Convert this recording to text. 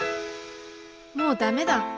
もうダメだ。